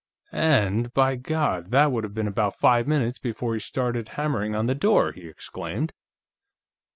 "And, by God, that would have been about five minutes before he started hammering on the door!" he exclaimed.